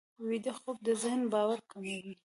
ویده خوب د ذهن بار کموي